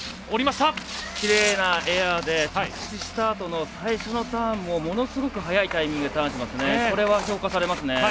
きれいなエアで着地したあとの最初のターンもものすごく速いタイミングでターンしましたね。